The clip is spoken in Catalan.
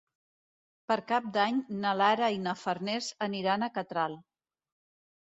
Per Cap d'Any na Lara i na Farners aniran a Catral.